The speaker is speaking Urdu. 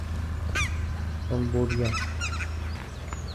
کمبوڈیا